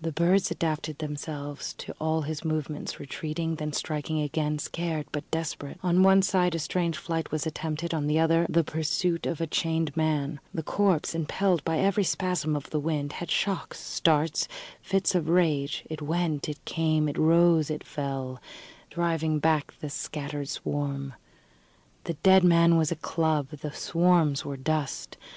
The birds adapted themselves to all his movements, retreating, then striking again, scared but desperate. On one side a strange flight was attempted, on the other the pursuit of a chained man. The corpse, impelled by every spasm of the wind, had shocks, starts, fits of rage: it went, it came, it rose, it fell, driving back the scattered swarm. The dead man was a club, the swarms were dust.